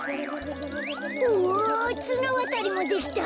うわつなわたりもできた。